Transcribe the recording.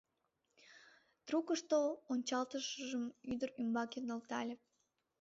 Трукышто ончалтышыжым ӱдыр ӱмбаке нӧлтале.